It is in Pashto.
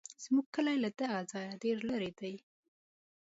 زموږ کلی له دغه ځایه ډېر لرې دی.